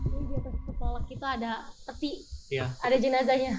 jadi ini memang adalah peti ada jenazahnya